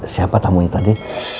siapa tamunya tadi